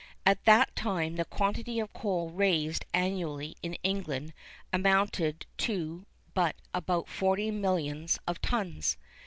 At that time the quantity of coal raised annually in England amounted to but about forty millions of tons.